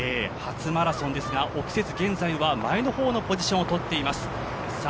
初マラソンですが、臆せず、現在は前の方のポジションをとっています。